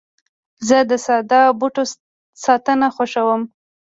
زه د ساده بوټو ساتنه خوښوم.